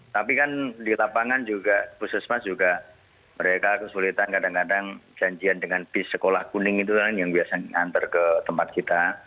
tapi kan di lapangan juga puskesmas juga mereka kesulitan kadang kadang janjian dengan bis sekolah kuning itu yang biasa ngantar ke tempat kita